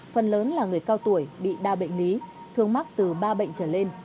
phần lớn là người cao tuổi bị đa bệnh lý thường mắc từ ba bệnh trở lên